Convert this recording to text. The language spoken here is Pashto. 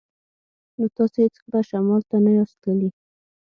نو تاسې هیڅکله شمال ته نه یاست تللي